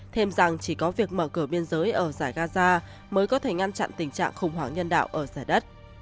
thêm rằng chỉ có việc mở cửa biên giới ở giải gaza mới có thể ngăn chặn tình trạng khủng hoảng nhân đạo ở giải đất